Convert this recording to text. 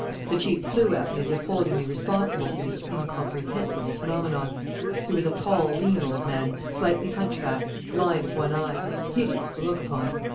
The chief flew at me as if holding me responsible for this incomprehensible phenomenon. He was a tall, lean old man, slightly hunchbacked, blind of one eye, hideous to look upon.